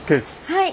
はい。